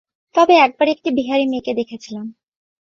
তবে এক বার একটি বিহারি মেয়েকে দেখেছিলাম।